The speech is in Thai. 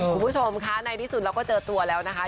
คุณผู้ชมค่ะในที่สุดเราก็เจอตัวแล้วนะคะ